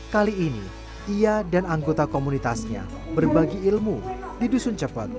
kali ini ia dan anggota komunitasnya berbagi ilmu di dusun cepat